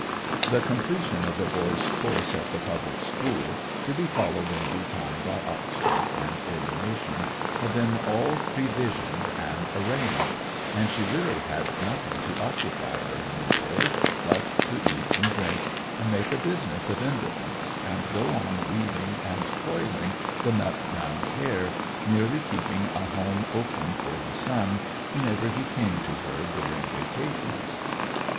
The completion of the boy's course at the public school, to be followed in due time by Oxford and ordination, had been all previsioned and arranged, and she really had nothing to occupy her in the world but to eat and drink, and make a business of indolence, and go on weaving and coiling the nut brown hair, merely keeping a home open for the son whenever he came to her during vacations.